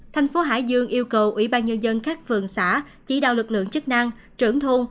thành phố hải dương yêu cầu ủy ban nhân dân các phường xã chỉ đạo lực lượng chức năng trưởng thôn